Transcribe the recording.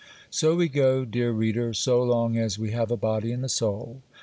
] So we go, dear reader,—so long as we have a body and a soul.